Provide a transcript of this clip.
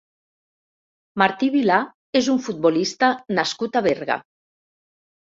Martí Vilà és un futbolista nascut a Berga.